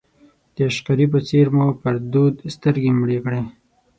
د عشقري په څېر مو پر دود سترګې مړې کړې.